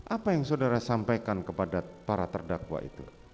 apa yang saudara sampaikan kepada para terdakwa itu